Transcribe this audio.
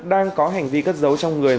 đang có hành vi cất giấu trong người